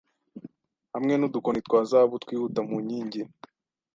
Hamwe nudukoni twa zahabu twihuta mu nkingi